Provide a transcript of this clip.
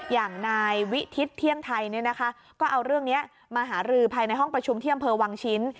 อย่างนายวิทิศเที่ยงไทยก็เอาเรื่องนี้มาหารือภายในห้องประชุมที่อำเภอวังชิ้น